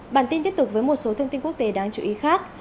bản tin tiếp tục với một số thông tin quốc tế đáng chú ý khác